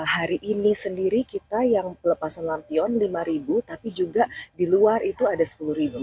hari ini sendiri kita yang pelepasan lampion lima tapi juga di luar itu ada sepuluh ribu